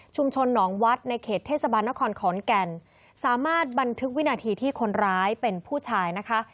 หนองวัดในเขตเทศบาลนครขอนแก่นสามารถบันทึกวินาทีที่คนร้ายเป็นผู้ชายนะคะ